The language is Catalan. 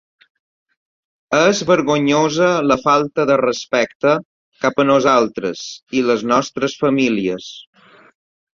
És vergonyosa la falta de respecte cap a nosaltres i les nostres famílies.